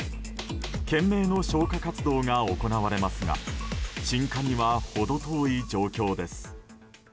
懸命の消火活動が行われますが鎮火には程遠い状況です。